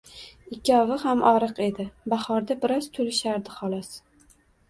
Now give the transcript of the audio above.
Ikkovi ham oriq edi, bahorda biroz to’lishardi, xolos.